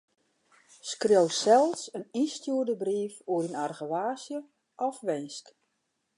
Skriuw sels in ynstjoerde brief oer dyn argewaasje of winsk.